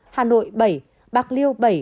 hà nội bảy bạc liêu bảy